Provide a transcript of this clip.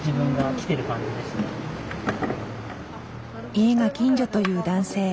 家が近所という男性。